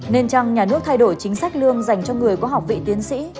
nên chăng nhà nước thay đổi chính sách lương dành cho người có học vị tiến sĩ